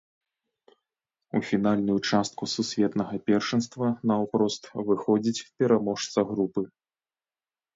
У фінальную частку сусветнага першынства наўпрост выходзіць пераможца групы.